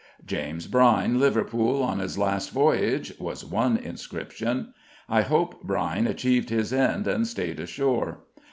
"James Brine, Liverpool. On his last voyage," was one inscription. I hope Brine achieved his end and stayed ashore.